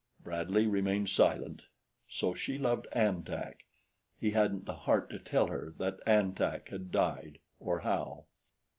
Bradley remained silent. So she loved An Tak. He hadn't the heart to tell her that An Tak had died, or how.